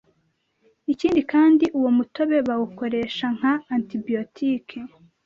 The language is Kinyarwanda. Ikindi kandi uwo mutobe bawukoresha nka ”antibiotique”